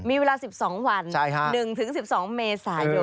มีเวลา๑๒วัน๑๑๒เมษายน